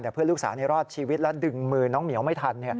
แต่เพื่อนลูกสาวรอดชีวิตและดึงมือน้องเหมียวไม่ทัน